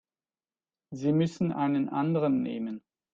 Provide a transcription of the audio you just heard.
Sie müssen einen anderen nehmen.